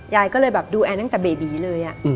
ยายก็เลยแบบดูแอนตั้งแต่เบบีเลย